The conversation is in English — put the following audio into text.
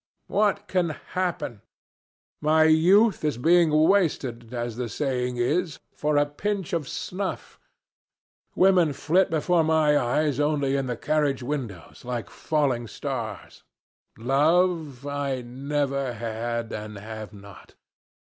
What can happen? My youth is being wasted, as the saying is, for a pinch of snuff. Women flit before my eyes only in the carriage windows, like falling stars. Love I never had and have not.